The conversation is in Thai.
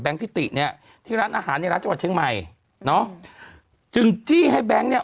พิติเนี่ยที่ร้านอาหารในร้านจังหวัดเชียงใหม่เนอะจึงจี้ให้แบงค์เนี่ย